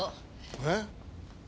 えっ？